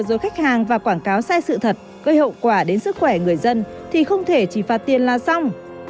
dối khách hàng và quảng cáo sai sự thật gây hậu quả đến sức khỏe người dân thì không thể chỉ phạt tiền là xong